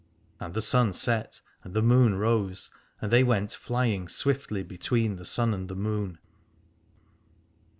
And the sun set, and the moon rose, and they went flying swiftly between the sun and the moon.